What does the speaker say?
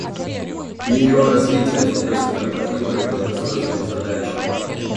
Ее развитие остается кропотливой и долгосрочной задачей.